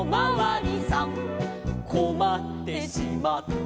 「こまってしまって」